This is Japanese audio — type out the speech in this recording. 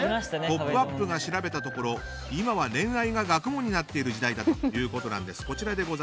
「ポップＵＰ！」が調べたところ今は恋愛が学問になっている時代だということです。